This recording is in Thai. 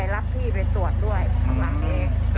ลูกพี่ไปก่อนแล้วไปนอนแล้วแล้วแม่ก็ติดจากไหนอ่ะ